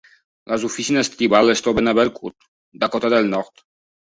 Les oficines tribals es troben a Belcourt, Dakota del Nord.